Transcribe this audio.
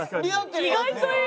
意外といい。